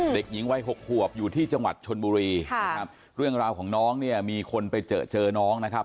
เด็กหญิงวัยหกขวบอยู่ที่จังหวัดชนบุรีนะครับเรื่องราวของน้องเนี่ยมีคนไปเจอเจอน้องนะครับ